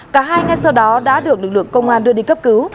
cả hai ngay sau đó đã được lực lượng công an đưa đi cấp cứu